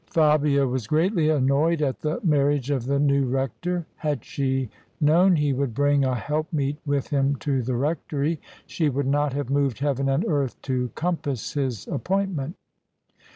Fabia was greatly annoyed at the marriage of the new Rector. Had she known he would bring a helpmeet with him to the Rectory, she would not have moved heaven and earth to compass his appointment.